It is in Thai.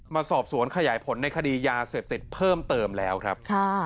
มาสอบสวนขยายผลในคดียาเสพติดเพิ่มเติมแล้วครับ